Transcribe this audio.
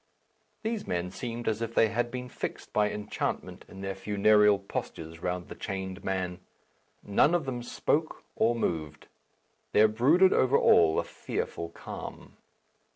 These men seemed as if they had been fixed by enchantment in their funereal postures round the chained man. None of them spoke or moved. There brooded over all a fearful calm.